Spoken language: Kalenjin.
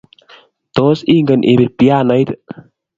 Tos, ingen ipiir pianoit?